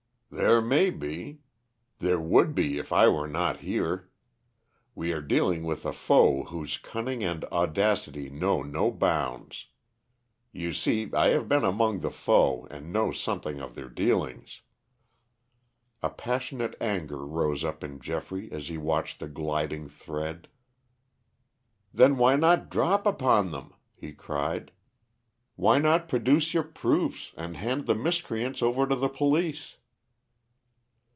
"There may be; there would be if I were not here. We are dealing with a foe whose cunning and audacity know no bounds. You see I have been among the foe and know something of their dealings." A passionate anger rose up in Geoffrey as he watched the gliding thread. "Then why not drop upon them?" he cried. "Why not produce your proofs and hand the miscreants over to the police?"